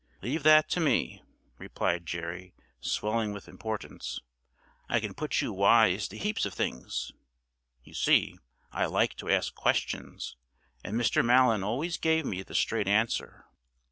"Leave that to me," replied Jerry, swelling with importance. "I can put you wise to heaps of things. You see, I like to ask questions, and Mr. Mallon always gave me the straight answer."